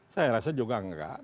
saya rasa juga nggak